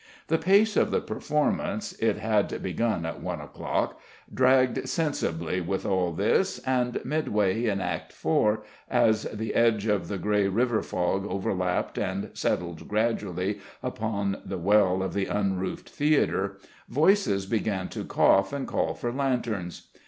The pace of the performance (it had begun at one o'clock) dragged sensibly with all this, and midway in Act IV., as the edge of a grey river fog overlapped and settled gradually upon the well of the unroofed theatre, voices began to cough and call for lanterns.